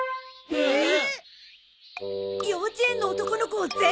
えっ！？